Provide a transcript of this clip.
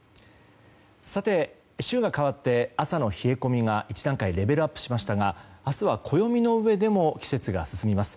週が変わって朝の冷え込みは一段階レベルアップしましたが明日は暦のうえでも季節が進みます。